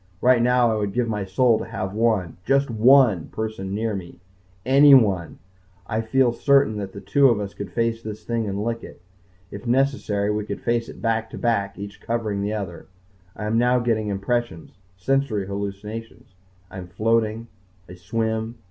Right now I would give my soul to have one just one person near me. Anyone. I feel certain that two of us could face this thing and lick it. If necessary we could face it back to back, each covering the other. I am now getting impressions. Sensory hallucinations. I am floating. I swim.